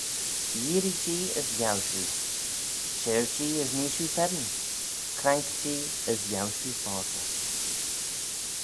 Yeearree-jee, as yiow shiu: shir-jee, as nee shiu feddyn: crank-jee, as yiow shiu fosley.